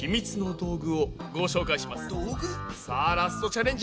道具？さあラストチャレンジ！